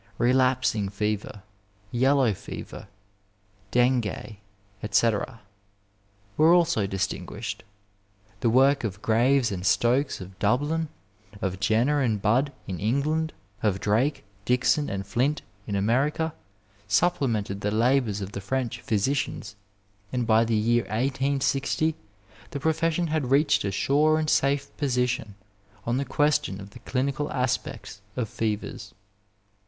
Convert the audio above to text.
Relapsing fever, yellow fever, dengue, etc., were also distinguished. The work of Qraves and Stokes, of Dublin ; of Jenner and Budd, in England ; of Drake, Dickson, and Flint, in America, supplemented the labours of the French physicians, and by the year 1800 the pro fession had reached a sure and safe position on the question of the clinical aspects of fevers.